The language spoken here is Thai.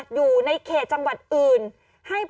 กล้องกว้างอย่างเดียว